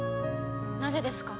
なぜですか？